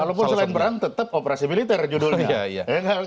walaupun selain perang tetap operasi militer judulnya